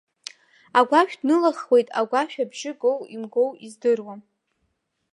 Агәашә днылаххуеит агәашә абжьы гоу имгоу издыруам.